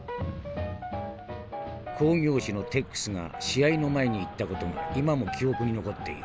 「興行主のテックスが試合の前に言った事が今も記憶に残っている。